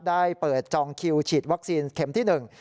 ได้เปิดจองคิวฉีดวัคซีนเข็มที่หนึ่ง